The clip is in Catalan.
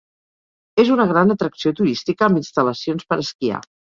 És una gran atracció turística amb instal·lacions per esquiar.